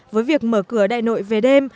với việc mở cửa đại nội về đêm